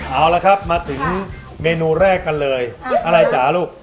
เอาละครับมาถึงเมนูแรกกันเลยอะไรจ๋าลูก